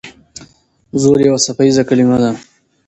زور یو څپیزه کلمه ده.